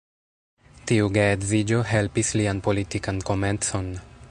Tiu geedziĝo helpis lian politikan komencon.